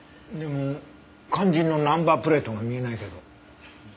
でも肝心のナンバープレートが見えないけど。